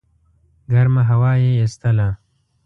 ګرمه هوا یې ایستله.